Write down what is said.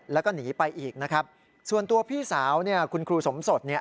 แล้วก็หนีไปอีกนะครับส่วนตัวพี่สาวเนี่ยคุณครูสมสดเนี่ย